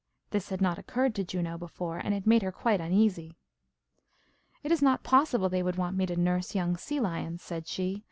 This had not occurred to Juno before, and it made her quite uneasy. "It is not possible they would want me to nurse young sea lions," said she.